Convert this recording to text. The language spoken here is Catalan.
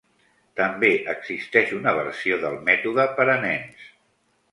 També existeix una versió del mètode per a nens.